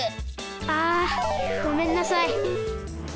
あごめんなさい。